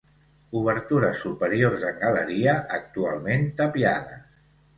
Obertures superiors en galeria actualment tapiades.